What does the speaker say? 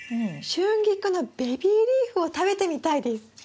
シュンギクのベビーリーフを食べてみたいです。